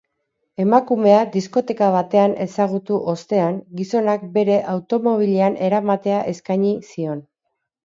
Emakumea diskoteka batean ezagutu ostean, gizonak bere automobilean eramatea eskaini zion.